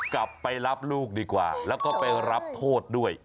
กลับไปรับลูกดีกว่าแล้วก็ไปรับโทษด้วย